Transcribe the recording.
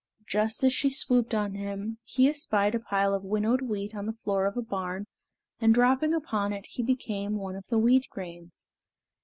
Just as she swooped on him, he espied a pile of winnowed wheat on the floor of a barn, and dropping upon it, he became one of the wheat grains.